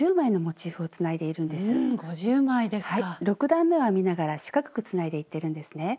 ６段めを編みながら四角くつないでいってるんですね。